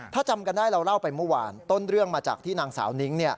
ถ้าจำกันได้เราเล่าไปเมื่อวานต้นเรื่องมาจากที่นางสาวนิ้ง